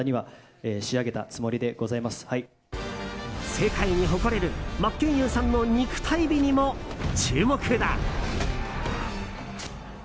世界に誇れる真剣佑さんの肉体美にも注目だ。